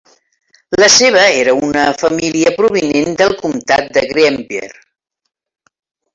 La seva era una família prominent del comtat de Greenbier.